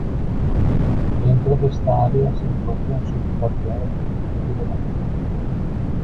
Dentro de esta área se encuentra en su totalidad el municipio de La Cumbre.